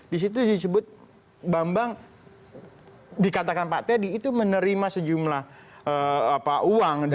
di situ disebut bambang dikatakan pak teddy itu menerima sejumlah uang